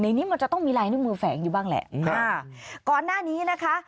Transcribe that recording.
นี้มันจะต้องมีลายนิ้วมือแฝงอยู่บ้างแหละค่ะก่อนหน้านี้นะคะ